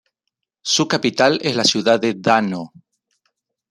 Su capital es la ciudad de Dano.